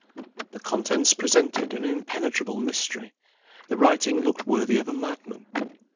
The contents presented an impenetrable mystery, the writing looked worthy of a madman.